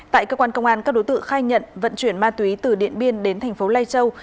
tại cơ quan công an các đối tượng khai nhận vận chuyển ma túy từ điện biên đến thành phố lai châu